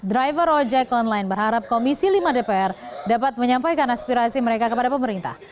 driver ojek online berharap komisi lima dpr dapat menyampaikan aspirasi mereka kepada pemerintah